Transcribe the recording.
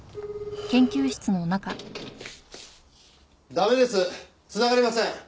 駄目です繋がりません。